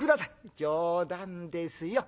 「冗談ですよ。